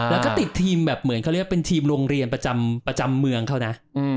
แล้วก็ติดทีมเป็นเหมือนทีมโรงเรียนประจำเมืองเขานะ